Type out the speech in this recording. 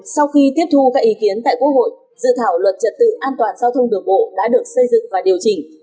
sau khi tiếp thu các ý kiến tại quốc hội dự thảo luật trật tự an toàn giao thông đường bộ đã được xây dựng và điều chỉnh